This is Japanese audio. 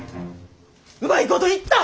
うまいこといった！